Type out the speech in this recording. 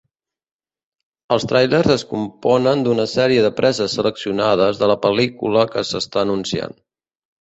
Els tràilers es componen d'una sèrie de preses seleccionades de la pel·lícula que s'està anunciant.